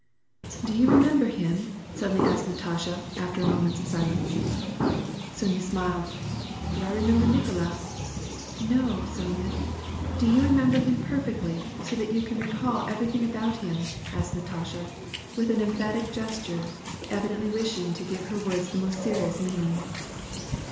" Do you remember him ?" suddenly asked Natasha, after a moment's silence. Sonya smiled :" Do I remember Nicolas ?"" No, Sonya. Do you remember him perfectly, so that you can recall everything about him ?" ^ked Natasha, with an emphatic gesture, evidently wishing to give her words the most serious meaning.